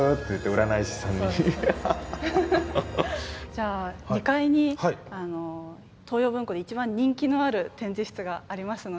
じゃあ２階に東洋文庫で一番人気のある展示室がありますので。